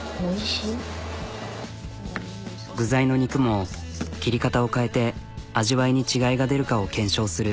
具材の肉も切り方を変えて味わいに違いが出るかを検証する。